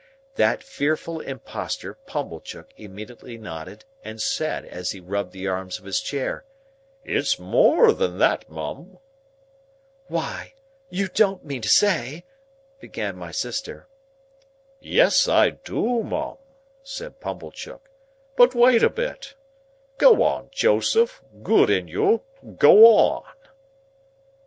That fearful Impostor, Pumblechook, immediately nodded, and said, as he rubbed the arms of his chair, "It's more than that, Mum." "Why, you don't mean to say—" began my sister. "Yes I do, Mum," said Pumblechook; "but wait a bit. Go on, Joseph. Good in you! Go on!"